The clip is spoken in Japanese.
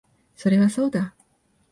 それはそうだ